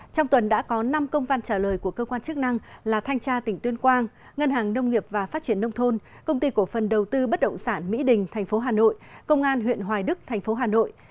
trong tuần đã có năm công văn trả lời của cơ quan chức năng là thanh tra tỉnh tuyên quang ngân hàng nông nghiệp và phát triển nông thôn công ty cổ phần đầu tư bất động sản mỹ đình thành phố hà nội công an huyện hoài đức thành phố hà nội